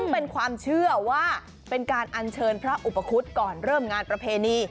ซึ่งเป็นความเชื่อว่าเป็นการอัญเชิญพระอุปคุฎก่อนเริ่มงานประเพณี